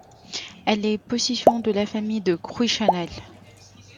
Elle est possession de la famille de Crouy-Chanel.